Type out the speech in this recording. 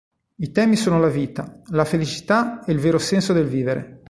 I temi sono la vita, la felicità e il vero senso del vivere.